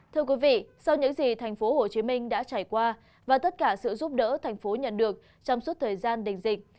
thưa quý vị sau những gì thành phố hồ chí minh đã trải qua và tất cả sự giúp đỡ thành phố nhận được trong suốt thời gian đình dịch